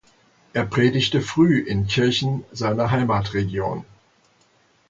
Er predigte früh in Kirchen seiner Heimatregion.